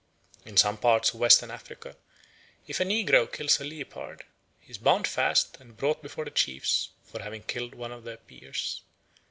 In some parts of Western Africa if a negro kills a leopard he is bound fast and brought before the chiefs for having killed one of their peers.